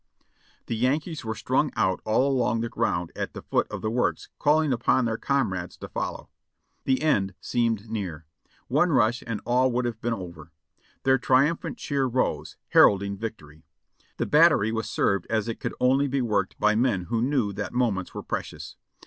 "The Yankees were strung out all along the ground at the foot of the works, calling upon their comrades to follow. The end seemed near; one rush and all would have been over. Their triumphant cheer rose, heralding victory. "The battery was served as it could only be worked by men who knew that moments were precious.